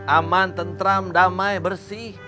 aman tentram damai bersih